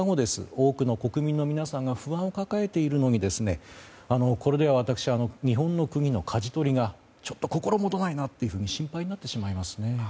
多くの国民の皆さんが不安を抱えているのにこれでは私は日本の国のかじ取りがちょっと心もとないなと心配になってしまいますね。